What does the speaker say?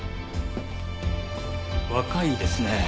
若いですね。